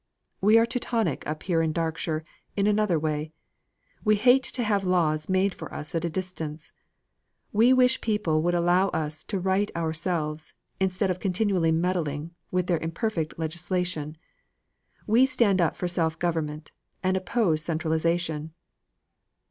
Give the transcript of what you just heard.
We are Teutonic up here in Darkshire in another way. We hate to have laws made for us at a distance. We wish people would allow us to right ourselves, instead of continually meddling, with their imperfect legislation. We stand up for self government, and oppose centralisation."